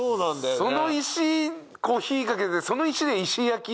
その石火かけてその石で石焼き。